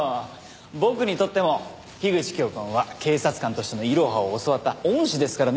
僕にとっても樋口教官は警察官としての「いろは」を教わった恩師ですからね。